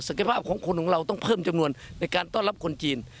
ภาพของคนของเราต้องเพิ่มจำนวนในการต้อนรับคนจีน